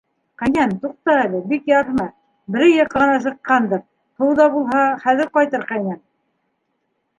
— Ҡәйнәм, туҡта әле, бик ярһыма, берәй яҡҡа ғына сыҡҡандыр, һыуҙа булһа, хәҙер ҡайтыр, ҡәйнәм!